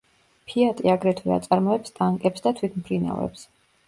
ფიატი აგრეთვე აწარმოებს ტანკებს და თვითმფრინავებს.